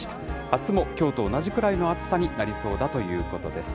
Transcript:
あすもきょうと同じくらいの暑さになりそうだということです。